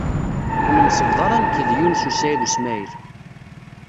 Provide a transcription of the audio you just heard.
Ur nemsebḍa ara nekk ed Yunes u Saɛid u Smaɛil.